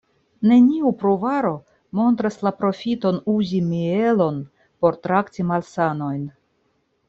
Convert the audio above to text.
Neniu pruvaro montras la profiton uzi mielon por trakti malsanojn.